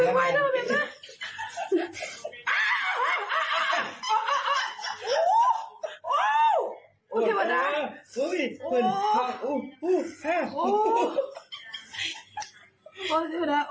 อ้าวอ้าวอ้าวอ้าว